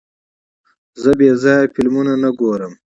زه بېځایه فلمونه نه ګورم.